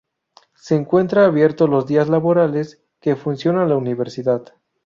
Se encuentra abierto los días laborables que funciona la universidad.